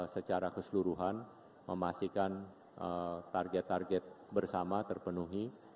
secara keseluruhan memastikan target target bersama terpenuhi